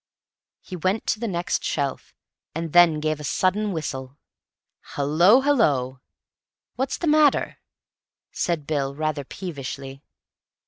He went to the next shelf, and then gave a sudden whistle. "Hallo, hallo!" "What's the matter?" said Bill rather peevishly.